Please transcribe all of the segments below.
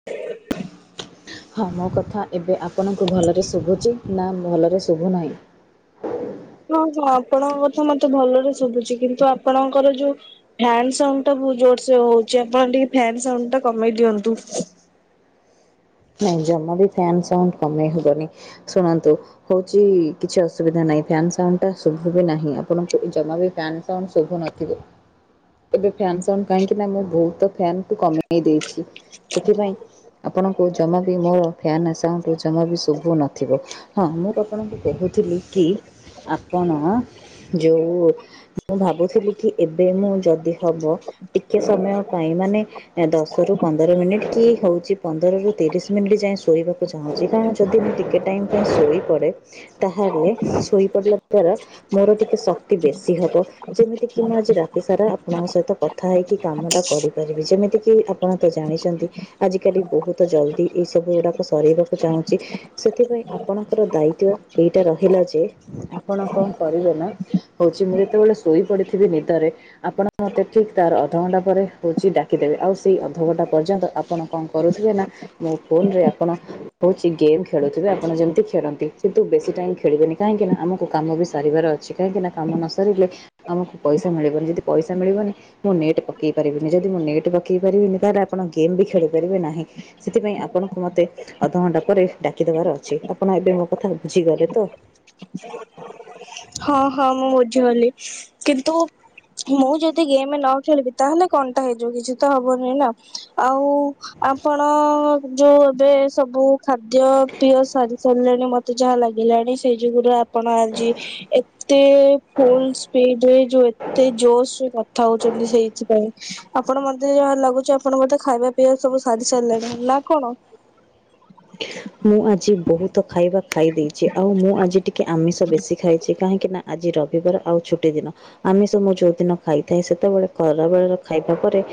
[inaudible] ହଁ ମୋ କଥା ଏବେ ଆପଣଙ୍କୁ ଭଲରେ ଶୁଭୁଛି ନା ଭଲରେ ଶୁଭୁନାହିଁ? ହଁ ହଁ ଆପଣଙ୍କ କଥା ମତେ ଭଲରେ ଶୁଭୁଚି କିନ୍ତୁ ଆପଣଙ୍କର ଯୋଉ ଫ୍ୟାନ ସାଉଣ୍ଡଟା ବହୁତ ଜୋରସେ ହଉଛି। ଆପଣ ଟିକେ ଫ୍ୟାନ ସାଉଣ୍ଡଟା କମେଇ ଦିଅନ୍ତୁ। ନାଇଁ ଜମା ବି ଫ୍ୟାନ ସାଉଣ୍ଡ କମେଇ ହବନି ଶୁଣନ୍ତୁ। ହଉଚି କିଛି ଅସୁବିଧା ନାହିଁ। ଫ୍ୟାନ ସାଉଣ୍ଡ ଟା ଶୁଭୁ ବି ନାହିଁ ଆପଣଙ୍କୁ ଜମା ବି ଫ୍ୟାନ ସାଉଣ୍ଡ ଶୁଭୁନ ଥିବ ଏବେ ଫ୍ୟାନ ସାଉଣ୍ଡ କାହିଁକି ନା ମୁଁ ବହୁତ ଫ୍ୟାନକୁ କମେଇ ଦେଇଛି। ସେଥିପାଇଁ ଆପଣଙ୍କୁ ଜମା ବି ମୋର ଫ୍ୟାନ ସାଉଣ୍ଡ ଜମା ବି ଶୁଭୁ ନଥିବ। ହଁ ମୁଁ ତ ଆପଣଙ୍କୁ କହୁଥିଲି କି ଆପଣ ଯୋଉ ମୁଁ ଭାବୁଥିଲି କି ଏବେ ମୁଁ ଯଦି ହବ ଟିକେ ସମୟ ପାଇଁ ମାନେ ଦଶ ରୁ ପନ୍ଦର ମିନିଟ କି ହଉଛି ପନ୍ଦରରୁ ତିରିଶ ମିନିଟ୍ ଯାଏଁ ଶୋଇବାକୁ ଚାହୁଁଛି। କାରଣ ଯଦି ମୁଁ ଟିକେ ଟାଇମ୍ ପାଇଁ ଶୋଇପଡ଼େ ତାହେଲେ ଶୋଇ ପଡିଲା ଦ୍ଵାରା ମୋର ଟିକେ ଶକ୍ତି ବେଶୀ ହବ। ଯେମିତିକି ମୁଁ ଆଜି ରାତିସାରା ଆପଣଙ୍କ ସହିତ କଥା ହେଇକି କାମଟା କରିପାରିବି। ଯେମିତିକି ଆ ଆପଣ ତ ଜାଣିଛନ୍ତି ଆଜିକାଲି ବହୁତ ଜଲଦି ଏଇ ସବୁ ଗୁଡାକ ସରେଇବାକୁ ଚାହୁଁଛି। ସେଥିପାଇଁ ଆପଣଙ୍କର ଦାୟିତ୍ବ ଏଇଟା ରହିଲା ଯେ ଆପଣ କଣ କରିବେ ନା ହଉଛି ମୁଁ ଯେତେବେଳେ ଶୋଇ ପଡିଥିବି ନିଦରେ ଆପଣ ମୋତେ ଠିକ୍ ତାର ଅଧଘଣ୍ଟା ପରେ ହଉଛି ଡାକିଦେବେ। ଆଉ ସେଇ ଅଧଘଣ୍ଟା ପର୍ଯ୍ୟନ୍ତ ଆପଣ କଣ କରୁଥିବେ ନା ମୋ ଫୋନରେ ଆପଣ ହଉଛି ଗେମ୍ ଖେଳୁଥିବେ ଆପଣ ଯେମତି ଖେଳନ୍ତି। କିନ୍ତୁ ବେଶୀ ଟାଇମ ଖେଳିବେନି କାହିଁକି ନା ଆମକୁ କାମ ବି ସାରିବାର ଅଛି। କାହିଁକିନା କାମ ନ ସରିଲେ ଆମକୁ ପଇସା ମିଳିବନି। ଯଦି ପଇସା ମିଳିବନି ମୁଁ ନେଟ୍ ପକେଇ ପାରିବିନି। ଯଦି ମୁଁ ନେଟ୍ ପକେଇ ପାରିବିନି ତାହେଲେ ଆପଣ ଗେମ୍ ବି ଖେଳି ପାରିବେ ନାହିଁ। ସେଥିପାଇଁ ଆପଣଙ୍କୁ ମତେ ଅଧଘଣ୍ଟା ପରେ ଡାକିଦବାର ଅଛି। ଆପଣ ଏବେ ମୋ କଥା ବୁଝିଗଲେ ତ? ହଁ ହଁ ମୁଁ ବୁଝିଗଲି। କିନ୍ତୁ ମୁଁ ଯଦି ଗେମ ନ ଖେଳିବି ତାହେଲେ କଣ୍ଟା ହେଇଯିବ। କିଛି ତ ହବନି ନା ଆଉ ଆପଣ ଯୋଉ ଏବେ ସବୁ ଖାଦ୍ୟ ପ୍ରିୟ ସାରି ସାରିଲେଣି ମତେ ଯାହା ଲାଗିଲାଣି ସେଇ ଯୁଗୁରା ଆପଣ ଆଜି ଏତେ ଫୁଲ ସ୍ପିଡ ଯୋଉ ଏତେ ଜୋସ୍ କଥା ହଉଛନ୍ତି ସେଇଥିପାଇଁ ଆପଣ ମତେ ଯାହା ଲାଗୁଛି ଆପଣ ମତେ ଖାଇବା ପେଆ ସବୁ ସାରି ସାରିଲାଣି ନା କଣ? ମୁଁ ଆଜି ବହୁତ ତ ଖାଇବା ଖାଇ ଦେଇେଇଛି ଆଉ ମୁଁ ଆଜି ଟିକେ ଆମିଷ ବେଶି ଖାଇଛି। କାହିଁକି ନା ଆଜି ରବିବାର ଆଉ ଛୁଟି ଦିନ। ଆମିଶ ଯୋଉ ଦିନ ଖାଇଥାଏ ସେତେବେଳେ ଖରା ବଳ ଖାଇବା ପରେ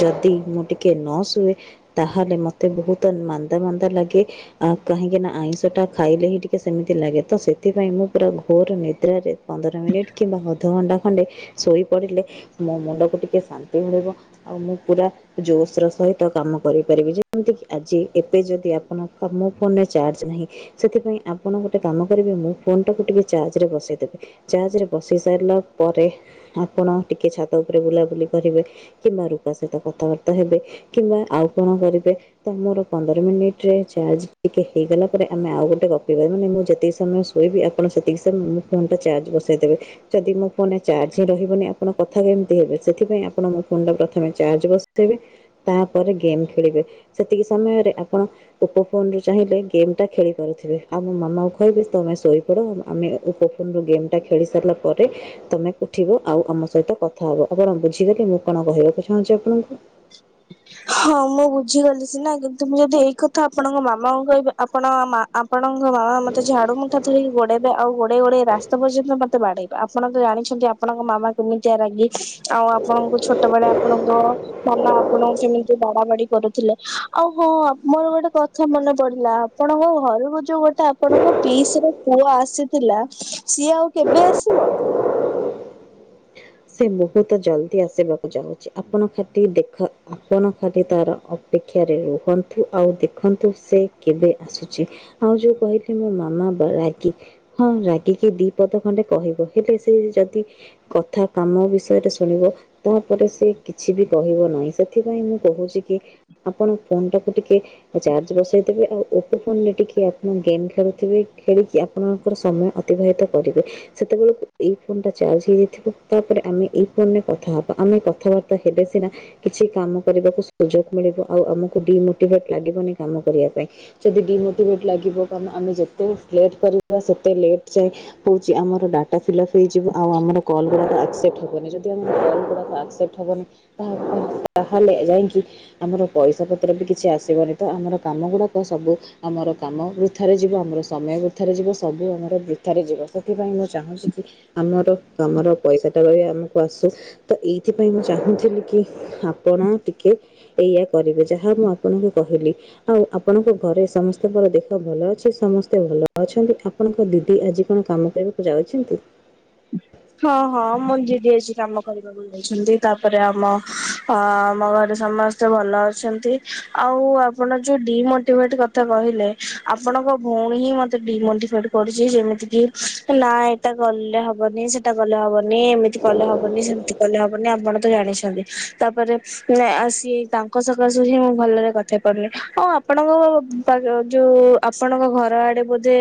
ଯଦି ମୁଁ ଟିକେ ନସୋଏ ତାହେଲେ ମତେ ବହୁତ ମାନ୍ଦା ମାନ୍ଦା ଲାଗେ। ଆଉ କାହିଁକିନା ଆଇଁଷଟା ଖାଇଲେ ହିଁ ଟିକେ ସେମିତି ଲାଗେ। ତ ସେଥିପାଇଁ ମୁଁ ପୁରା ଘୋର ନିଦ୍ରାରେ ପନ୍ଦର ମିନିଟ କିମ୍ବା ଅଧଘଣ୍ଟା ଖଣ୍ଡେ ଶୋଇ ପଡିଲେ ମୋ ମୁଣ୍ଡକୁ ଟିକେ ଶାନ୍ତି ମିଳିବ। ଆଉ ମୁଁ ପୁରା ଜୋସ ର ସହିତ କାମ କରିପାରିବି ଯେମିତିକ ଆଜି ଏବେ ଯଦି ଆ [unintelligible] ମୋ ଫୋନରେ ଚାର୍ଜ ନାହିଁ। ସେଥିପାଇଁ ଆପଣ ଗୋଟେ କାମ କରିବେ ମୁଁ ଫୋନ ଟାକୁ ଟିକେ ଚାର୍ଜରେ ବସେଇ ଦେବେ। ଚାଜ୍ ରେ ବସି ସାରିଲା ପରେ ଆପଣ ଟିକେ ଛାତ ଉପରେ ବୁଲାବୁଲି କରିବେ। କିମ୍ବା ରୁପା ସହିତ କଥାବାର୍ତ୍ତା ହେବେ କିମ୍ବା ଆଉ କଣ କରିବେ ତ ମୋର ପନ୍ଦର ମିନିଟ ରେ ଚାର୍ଜ ଟିକିେ ହେଇଗଲା ପରେ ଆମେ ଆଉ ଗୋଟେ ଗପିବା ମାନେ ମୁଁ ଯେତିକି ସମୟ ଶୋଇବି ଆପଣ ସେତିକି ସମୟ ମୁଁ ଫୋନ୍ ଟା ଚାର୍ଜ ବସେଇ ଦେବେ। ଯଦି ମୋ ଫୋନରେ ଚାର୍ଜ ରହିବନି ଆପଣ କଥା କେମିତି ହେବେ ସେଥିପାଇଁ ଆପଣ ମୋ ଫୋନ ଟା ପ୍ରଥମେ ଚାଜ ବସେଇବେ। ତାପରେ ଗେମ୍ ଖେଳିବେ ସେତିକି ସମୟରେ ଆପଣ ଓପୋ ଫୋନ୍ ଚାହିଁଲେ ଗେମ୍ ଖେଳିପାରୁଥିବେ ଆଉ ମୋ ମାମାକୁ କହିବେ ତୁମେ ଶୋଇପଡ଼ ଆ ଆମେ ଓପ ରୁ ଗେମ୍ଟା ଖେଳି ସାରିଲା ପରେ ତମେ ଉଠିବ ଆଉ ଆମ ସହିତ କଥା ହବ ଆପଣ ବୁଝିଗଲେ ମୁଁ କଣ କହିବାକୁ ଚାହୁଁଛି ଆପଣଙ୍କୁ? ଁ ହଁ ମୁଁ ବୁଝିଗଲି ସିନା କିନ୍ତୁ ମୁଁ ଯଦି ଏଇ କଥା ଆପଣଙ୍କ ମାମାଙ୍କୁ କହିବି ଆପଣ ମା ଆପଣଙ୍କ ବାବା ମତେ ଝାଡୁ ମୁଠା ଧରିକି ଗୋଡେଇବେ ଆଉ ଗୋଡେଇ ଗୋଡେଇ ରାସ୍ତା ପର୍ଯ୍ୟନ୍ତ ମତେ ବାଡେଇ। ଆପଣ ତ ଜାଣିଛନ୍ତି ଆପଣଙ୍କ ମାମା କେମିତିଆ ରାଗି ଆଉ ଆପଣଙ୍କୁ ଛୋଟ ବଳେ ଆପଣଙ୍କ ମାମା ଆପଣଙ୍କୁ କେମିତି ବା କମେଡି କରୁଥିଲେ ଆଉ ହଁ ମୋର ଗୋଟେ କଥା ମନେ ପଡିଲା ଆପଣଙ୍କ ଘରକୁ ଯୋଉ ଗୋଟା ଆପଣଙ୍କ ପିସର ପୁଅ ଆସିଥିଲା ସିଏ ଆଉ କେବେ ଆସିବ? ସେ ବହୁତ ଜଲ୍ଦି ଆସିବାକୁ ଯାଉଛି ଆପଣ ଖାଟି ଦେଖ ଆପଣ ଖାଲି ତାର ଅ ଅପେକ୍ଷାରେ ରୁହନ୍ତୁ ଆଉ ଦେଖନ୍ତୁ ସେ କେବେ ଆସୁଛି। ଆଉ ଯୋଉ କହିଲି ମୋ ମାମା ବ ରାଗୀ। ହଁ ରାଗିକି ଦି ପଦ ଖଣ୍ଡେ କହିବ ହେଲେ ସେ ଯଦି କଥା କାମ ବିଷୟରେ ଶୁଣିବ ତାପରେ ସେ କିଛି ବି କହିବ ନାହିଁ ସେଥିପାଇଁ ମୁଁ କହୁଛି କି ଆପଣ ଫୋନ୍ ଟାକୁ ଟିକେ ଉ ଚାର୍ଜ ବସେଇ ଦେବେ ଆଉ ଓପୋ ଫୋନ ରେ ଟିକେ ଆପଣ ଗେମ୍ ଖେଳୁଥିବେ ଖେଳିକି ଆ ଆପଣଙ୍କର ସମୟ ଅତିବାହିତ କରିବେ ସେତେବେଳକୁ ଏଇ ଫୋନ ଟା ଚାର୍ଜ ହେଇଯାଇଥିବ। ତା ପରେ ଆମେ ଏଇ ଫୋନରେ କଥା ହେବା ଆମେ କଥାବାର୍ତ୍ତା ହେଲେ ସିନା କିଛି କାମ କରିବାକୁ ସୁଯୋଗ ମିଳିବ ଆଉ ଆମକୁ ଡିମୋଟିଭେଟ ଲାଗିବନି କାମ କରିବା ପାଇଁ। ଯଦି ଡିମୋଟିଭେଟ ଲାଗିବ ଆମେ ଯେତେ ଲେଟ କରିବା ସେତେ ଲେଟ ଯାଏ ହଉଛି ଆମର ଡାଟା ଫିଲପ୍ ହେଇଯିବ ଆଉ ଆମର କଲ ଗୁରା ଲା ଆକ୍ସେପ୍ଟ ହେବନି ଯଦି ଆମ କଲ୍ ଗୁଡ଼ାକ ଆକ୍ସେପ୍ଟ ହେବନି [unintelligible] ତାହେଲେ ଯାଇକି ଆମର ପଇସା ପତ୍ର ବି କିଛି ଆସିବନି ତ ଆମର କାମ ଗୁଡାକ ସବୁ ଆମର କାମ ବୃଥାରେ ଯିବ ଆମର ସମୟ ବୃଥାରେ ଯିବ ସବୁ ଆମର ବୃଥାରେ ଯିବ ସେଥିପାଇଁ ମୁଁ ଚାହୁଁଛି କି ଆମର ତମର ପଇସା ଟା ରହି ଆମକୁ ଆସୁ ତ ଏଇଥିପାଇଁ ମୁଁ ଚାହୁଁଥିଲି କି ଆପଣ ଟିକେ ଏଇଆ କରିବେ ଯାହା ମୁଁ ଆପଣଙ୍କୁ କହିଲି। ଆଉ ଆପଣଙ୍କ ଘରେ ସମସ୍ତଙ୍କର ଦେହ ଭଲ ଅଛି ସମସ୍ତେ ଭଲ ଅଛନ୍ତି। ଠା ଆପଣଙ୍କ ଦିଦି ଆଜି କଣ କାମ କରିବାକୁ ଯାଉଛନ୍ତି? ହଁ ହଁ ମୋ ଦିଦି ଆଜି କାମ କରିବାକୁ ଛନ୍ତି ତାପରେ ଆମ ଅ ଆମ ଘରେ ସମସ୍ତେ ଭଲ ଅଛନ୍ତି। ଆଉ ଆପଣ ଯୋଉ ଡିମୋଟିଭେଟ କଥା କହିଲେ ଆପଣଙ୍କ ଭଉଣୀ ହିଁ ମତେ ଡିମୋଟିଭେଟ ରିଛି ଯେମିତି କି ନା ଏଇଟା ଗଲେ ହ ବନି ସେଟା କଲେ ହବନି ଏମିତି କଲେ ହବନି ସେମିତି କଲେ ହବନି ଆପଣ ତ ଜାଣିଛନ୍ତି ତାପରେ ଆସି ତାଙ୍କ ସକାଶେ ହିଁ ମୁଁ ଭଲରେ କଥା ହୋଇପାରୁନି ଆଉ ଆପଣଙ୍କ ପା ଯୋଉ ଆପଣଙ୍କ ଘର ଆଡେ ବୋଧେ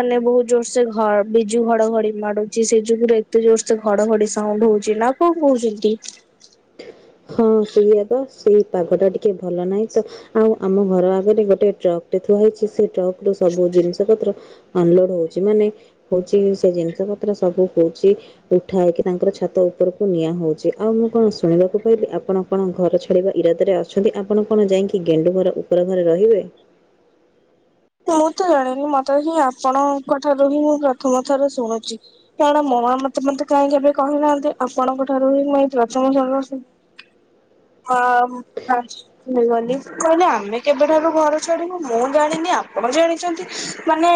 ମାନେ ବହୁତ ଜୋର ସେ ଘ ବିଜୁ ଘଡଘଡି ମାରୁ ସେ ଯୁଗରେ ଏତେ ଜୋର ସେ ଘଡଘଡି ସାଉଣ୍ଡ ହଉଛି ନା କଣ କହୁଛନ୍ତି? ହଁ ସେଇୟା ତ ସେଇ ପାଗ ଟା ଟିକେ ଭଲ ନାହିଁ ତ ଆଉ ଆମ ଘର ଆଗରେ ଗୋଟେ ଟ୍ରକ ଟେ ଥୁଆ ହେଇଛି ସେ ଟ୍ରକ ରୁ ସବୁ ଜିନିଷ ପତ୍ର ଅନଲୋଡ ହଉଛି ମାନେ ହଉଛି ସେ ଜିନିଷ ପତ୍ର ସବୁ କହୁଛି ଉଠା ହେଇକି ତାଙ୍କର ଛାତ ଉପରକୁ ନିଆ ହଉଛି ଆଉ ମୁଁ କଣ ଶୁଣିବାକୁ କହିଲି ଆପଣ କଣ ଘର ଛାଡ଼ିବା ଇରାଦରେ ଅଛନ୍ତି ଆପଣ କଣ ଯାଇକି ଗେଣ୍ଡୁ ଘର ଉପର ଘରେ ରହିବେ। ମୁଁ ତ ଜାଣିନି ମତେ ହିଁ ଆପଣଙ୍କ ଠାରୁ ହିଁ ମୁଁ ପ୍ରଥମ ଥର ଶୁଣୁଛି। କାରଣ ମୋ ମାମା ମତେ କାହିଁ କେବେ କହିନାହାନ୍ତି ଆପଣଙ୍କ ଠାରୁ ହିଁ ଏଇ ପ୍ରଥମ ଶୁଣୁ ଅମ୍ ହା ହେଇଗଲି କହିଲେ ଆମେ କେବେଠାରୁ ଘର ଛାଡିନୁ ମୁଁ ଜାଣିନି ଆ ଆପଣ ଜାଣିଛନ୍ତି ମାନେ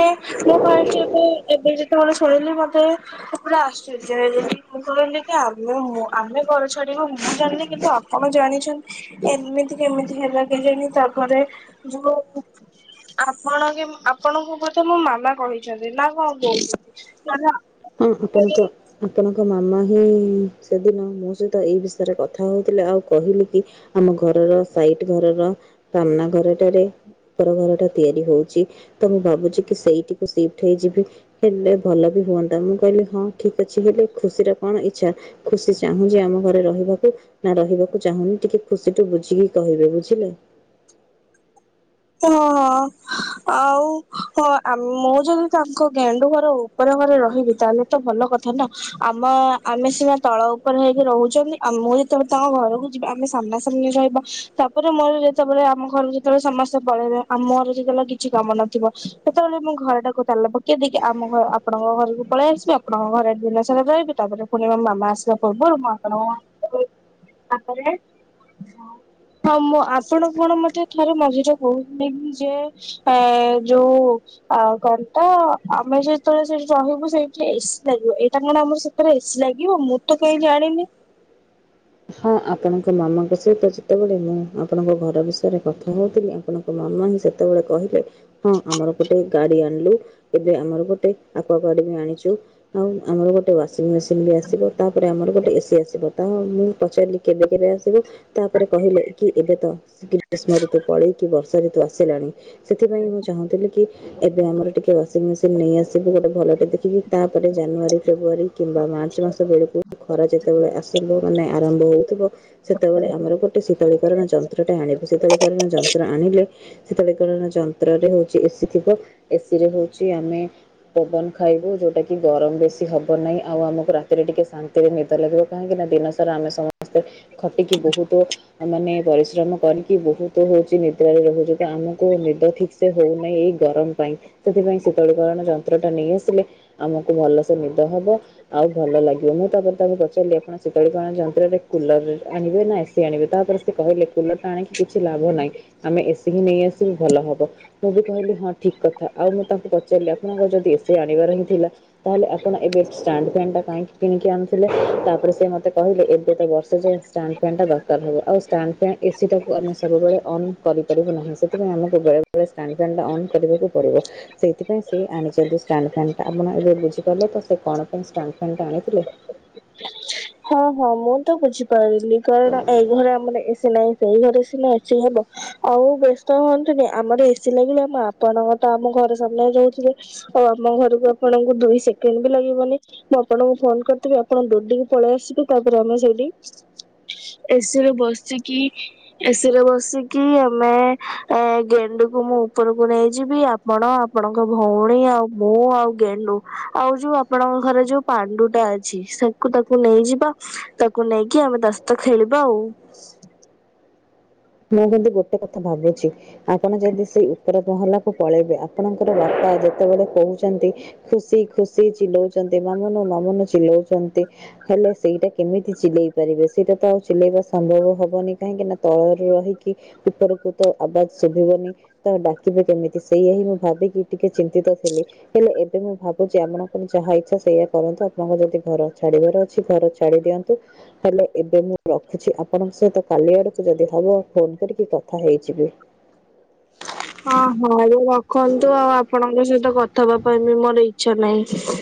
ମୁଁ ଫାଷ୍ଟ ଏବେ ଏବେ ଯେତେବେଳେ ଶୁଣିଲି ମତେ ପୁରା ଆଶ୍ଚର୍ଯ୍ୟ ହେଇଗଲି ମୁଁ କହିଲି କି ଆମେ ଆମେ ଘର ଛାଡିବୁ ମୁଁ ଜାଣିନି କିନ୍ତୁ ଆପଣ ଜାଣିଛନ୍ତି ଏମିତି କେମିତି ହେଲା କେଜାଣି ତାପରେ ଯୋଉ ଆପଣ କେ ଆପଣଙ୍କୁ ବୋଧେ ମୋ ମାମା କହିଛନ୍ତି ନା କଣ କହୁଛନ୍ତି, ନ ନେ ଉଁ ହୁଁ ତମେ କୁହ। ଆପଣଙ୍କ ମାମା ହିଁ ସେଦିନ ମୋ ସହିତ ଏଇ ବିଷୟରେ କଥା ହେଉଥିଲେ ଆଉ କହିଲେ କି ଆମ ଘରର ସାଇଟ ଘରର ସାମ୍ନା ଘରଟାରେ ଉପର ଘର ଟା ତିଆରି ହଉଛି ତ ମୁଁ ଭାବୁଛି କି ସେଇଠକୁ ସିଫ୍ଟ ହେଇଯିବି। ହେଲେ ଭଲ ବି ହୁଅନ୍ତା ମୁଁ କହିଲି ହଁ ଠିକ ଅଛି ହେଲେ ଖୁସିର କଣ ଇଚ୍ଛା? ଖୁସି ଚାହୁଁଛି ଆମ ଘରେ ରହିବାକୁ। ନା ରହିବାକୁ ଚାହୁଁନି ଟିକେ ଖୁସିଠୁ ବୁଝିକି କହିବେ ବୁଝିଲେ। ହଁ ହଁ ଆଉ ହଁ ମୁଁ ଯଦି ତାଙ୍କ ଗେଣ୍ଡୁ ଘରଉ ଉପର ଘରେ ରହିବି ତାହେଲେ ତ ଭଲ କଥା ନା ଆମ ଆମେ ସିନା ତଳ ଉପରେ ହେଇକି ରହୁଛନ୍ତି। ଆ ମୁଁ ଯେତେବେଳେ ତାଙ୍କ ଘରକୁ ଯିବି ଆମେ ସାମ୍ନା ସାମ୍ନି ରହିବା ତାପରେ ମୋର ଯେତେବେଳେ ଆମ ଘରକୁ ଯେତେବେଳେ ସମସ୍ତେ ପଳେଇବେ ଆମ ଘର କିଛି କାମ ନଥିବ ସେତେବେଳେ ମୁଁ ଘର ଟାକୁ ତାଲା ପକେଇଦେଇ କି ଆମ ଘ ଆପଣଙ୍କ ଘରକୁ ପଳେଇ ଆସିବି ଆପଣଙ୍କ ଘରେ ଦିନ ସାରା ରହିବି ତାପରେ ପୁଣି ମାମା ଆସିବା ପୂର୍ବରୁ ମୁଁ ଆପଣଙ୍କ ଏବମ୍ ତାପରେ ହଁ ମୁଁ ଆପଣ କଣ ମତେ ଥରେ ମଝିରେ କହୁଥିଲେ କି ଯେ ଏ ଯୋଉ ଆ କଣତ ଆମେ ଯେତେବେଳେ ସେଠି ରହିବୁ ସେଇଠି ଏସି ଲାଗିବ ଏଇଟା କଣ ଆମର ଆମର ଏସି ଲାଗିବ ମୁଁ ତ କାହିଁ ଜାଣିନି। ହଁ ଆପଣଙ୍କ ମାମାଙ୍କ ସହିତ ଯେତେବେଳେ ମୁଁ ଆପଣଙ୍କ ଘର ବିଷୟରେ କଥା କହୁଥିଲି ଆପଣ ତ ମାମା ହିଁ ସେତେବେଳେ କହିଲେ। ହଁ ଆମର ଗୋଟେ ଗାଡି ଆଣିଲୁ ଏବେ ଆମର ଗୋଟେ ଆକୁୁଆ ଗାର୍ଡ ବି ଆଣିଛୁ। ଆଉ ଆମର ଗୋଟେ ୱାସିଂ ମେସିନ ବି ଆସିବ ତାପରେ ଆମର ଗୋଟେ ଏସିି ଆସିବ ତ ମୁଁ ପଚାରିଲି କେବେ କେବେ ଆସିବ ତାପରେ କହିଲେ କି ଏବେ ତ। ଗ୍ରୀଷ୍ମଋତୁ ପଳେଇ କିି ବର୍ଷା ଋତୁ ଆସିଲାଣି ସେଥିପାଇଁ ମୁଁ ଚାହୁଁଥିଲି କି ଏବେ ଆମର ଟିକେ ୱାସିଂ ମେସିନ ନେଇ ଆସିବୁ ଗୋଟେ ଭଲ ଟେ ଦେଖିକି ତାପରେ ଜାନୁଆରୀ ଫେବୃଆାରୀ କିମ୍ବା ମାର୍ଚ୍ଚ ମାସ ବେଳକୁ ଖରା ଯେତେବେଳେ ଆସିବ ମାନେ ଆରମ୍ଭ ହୋଉଥିବ ସେତେବେଳେ ଆମର ଗୋଟେ ଶୀତଳୀକରଣ ଯନ୍ତ୍ରଟା ଆଣିବୁ ଶୀତଳୀକରଣ ଯନ୍ତ୍ର ଆଣିଲେ ଶୀତଳିକରଣ ଯନ୍ତ୍ରରେ ହଉଛି ଏସିି ଥିବ ଏସିି ରେ ହଉଛି ଆମେ ପବନ ଖାଇବୁ ଯୋଉଟା କିି ଗରମ ବେଶୀ ହବ ନାହିଁ ଆଉ ଆମକୁ ରାତିରେ ଟିକେ ଶାନ୍ତିରେ ନିଦ ଲାଗିବ କାହିଁକି ନା ଦିନସା ରା ଆମେ ସମସ୍ତେ ଖଟିକି ବହୁତ ମାନେ ପରିଶ୍ରମ କରିକି ବହୁତ ହଉଛି ନିଦ୍ରାରେ ରହୁଛି ତ ଆମକୁ ନିଦ ଠିକ ସେ ହଉନାହିଁ ଏଇ ଗରମ ପାଇଁ ସେଥିପାଇଁ ଶୀତଳୀକରଣ ଯନ୍ତ୍ର ଟା ନେଇ ଆସିଲେ ଆମକୁ ଭଲସେ ନିଦ ହବ ଆଉ ଭଲ ଲାଗିବ ମୁଁ ତାପରେ ତାକୁ ପଚାରିଲି ଆପଣ ଶୀତଳିକରଣ ଯନ୍ତ୍ରରେ କୁଲର ଆଣିବେ ନା ଏସିି ଆଣିବେ ତାପରେ ସେ କହିଲେ କୁଲରଟା ଆଣିକି କିଛି ଲାଭ ନାହିଁ। ଆମେ ଏସି ହିଁ ନେଇ ଆସିବୁ ଭଲ ହବ। ମୁଁ ବି କହିଲି ହଁ ଠିକ କଥା ଆଉ ମୁଁ ତାଙ୍କୁ ପଚାରିଲି ଆପଣଙ୍କର ଯଦି ଏସି ଆଣିବାର ହିଁ ଥିଲା ତାହେଲେ ଆପଣ ଏବେ ଷ୍ଟାଣ୍ଡ ଫ୍ୟାନଟା କାହିଁକି କିଣିକି ଆଣୁଥିଲେ ତାପରେ ସେ ମତେ ମୋତେ କହିଲେ ଏବେ ତ ବର୍ଷେ ଯାଏ ଷ୍ଟାଣ୍ଡ ଫ୍ୟାନ୍ ଟା ଦରକାର ହେବ ଆଉ ଷ୍ଟାଣ୍ଡ ଫ୍ୟାନ୍ ଏସିଟାକୁ ଆମେ ସବୁବେଳେ ଅନ୍ କରିପାରିବ ନାହିଁ, ସେଥିପାଇଁ ଆମକୁ ବେଳେ ଷ୍ଟାଣ୍ଡ୍ ଫ୍ୟାନ୍‌ ଟା ଅନ୍ କରିବାକୁ ପଡ଼ିବ। ସେଇଥି ପାଇଁ ସେ ଆଣିଚନ୍ତି ଷ୍ଟାଣ୍ଡ୍ ଫ୍ୟାନ୍‌ ଟା। ଆପଣ ଏବେ ବୁଝିପାରିଲେ ତ, ସେ କ'ଣ ପାଇଁ ଷ୍ଟାଣ୍ଡ୍ ଫ୍ୟାନ୍ ଟା ଆଣିଥିଲେ? ହଁ ହଁ, ମୁଁ ତ ବୁଝିପାରିଲି। କାରଣ ଏଇ ଘରେ ଆମର [inaudible] ଆଉ ବେସ୍ତ ହୁଅନ୍ତୁନି, ଆମର ଏସିି ଲାଗିଲେ ଆପଣ ତ ଆମ ଘରେ ସାମ୍ନାରେ ରହୁଥିବେ। ଆଉ ଆମ ଘରକୁ ଆପଣଙ୍କୁ ଦୁଇ ସେକେଣ୍ଡ୍ ବି ଲାଗିବନି। ମୁଁ ଆପଣଙ୍କୁ ଫୋନ୍ କର୍ ଦେବି ଆପଣ ଦୌଡ଼ିକି ପଳେଇ ଆସିବେ, ତା'ପରେ ଆମେ ସେଇଟି ଏସି ରେ ବସିକି ଏସିରେ ବସିକି ଆମେ ଗେଣ୍ଡୁକୁ ମୁଁ ଉପରକୁ ନେଇଯିବି। ଆପଣ, ଆପଣଙ୍କ ଭଉଣୀ ଆଉ ମୁଁ ଆଉ ଗେଣ୍ଡୁ ଆଉ ଯଉ ଆପଣଙ୍କ ଘରେ ଯଉ ପାଣ୍ଡୁ ଟା ଅଛି, କୁ ତାକୁ ନେଇଯିବା ତାକୁ ନେଇକି ଆମେ ତା ଖେଳିବା ଆଉ। ମୁଁ କିନ୍ତୁ ଗୋଟେ କଥା ଭାବୁଚି। ଆପଣ ଯଦି ସେଇ ଉପର ମହଲା କୁ ପଳେଇବେ, ଆପଣଙ୍କର ବାପା ଯେତେବେଳେ କହୁଚନ୍ତି। ଖୁସି ଖୁସି ଚିଲଉଚନ୍ତି, ମାମୁନୁ ମାମୁନୁ ଚିଲଉଚନ୍ତି। ହେଲେ ସେଇଟା କେମିତି ଚିଲେଇ ପାରିବେ, ସେଇଟା ତ ଆଉ ଚିଲେଇବା ସମ୍ଭବ ହବନି। କାହିଁକି ନା ତଳ ରହିକି ଉପରକୁ ତ ଆବାଜ୍ ଶୁଭିବନି। ତ ଡ଼ାକିବେ କେମିତି? ସେଇଆ ହି ମୁଁ ଭାବିକି ଟିକେ ଚିନ୍ତିତ ଥିଲି। ହେଲେ ଏବେ ମୁଁ ଭାବୁଚି ଙ୍କର ଯାହା ଇଚ୍ଛା ସେଇଆ କରନ୍ତୁ, ଆପଣଙ୍କ ଯଦି ଘର ଛାଡ଼ି ବାର ଅଛି। ଘର ଛାଡ଼ି ଦିଅନ୍ତୁ, ହେଲେ ଏବେ ମୁଁ ରଖୁଚି। ଆପଣଙ୍କ ସହିତ କାଲି ଆଡ଼କୁ ଯଦି ହବ, ଫୋନ୍ କରିକି କଥା ହେଇଯିବି। ହଁ ହଁ ଏବେ ରଖନ୍ତୁ, ଆଉ ଆପଣଙ୍କ ସହିତ କଥା ହେବା ପାଇଁ ବି ମୋର ଇଚ୍ଛା ନାହିଁ।